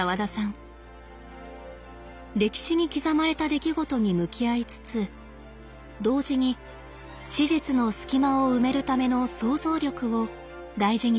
歴史に刻まれた出来事に向き合いつつ同時に史実の隙間を埋めるための想像力を大事にしています。